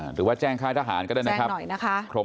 หรือว่าแจ้งค่าทหารก็ได้นะครับแจ้งหน่อยนะคะ